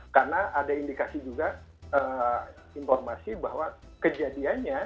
karena ada indikasi juga informasi bahwa kejadiannya